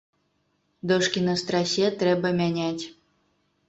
Дошкі на страсе трэба мяняць.